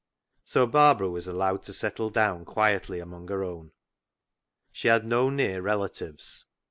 So Barbara was allowed to settle down quietly among her own. She had no near relatives.